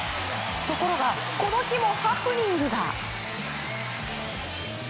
ところが、この日もハプニングが。